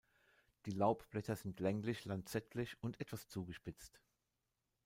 Die Laubblätter sind länglich-lanzettlich und etwas zugespitzt.